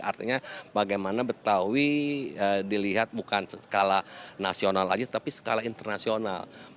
artinya bagaimana betawi dilihat bukan skala nasional aja tapi skala internasional